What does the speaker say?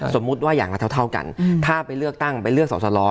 สมมุติว่าอย่างละเท่ากันถ้าไปเลือกตั้งไปเลือกสอสลอ